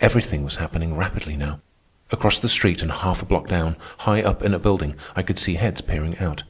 Everything was happening rapidly now. Across the street and half a block down, high up in a building, I could see heads peering out.